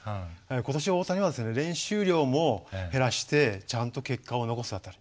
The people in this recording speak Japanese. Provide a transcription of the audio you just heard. ことし大谷は練習量も減らしてちゃんと結果を残す辺り。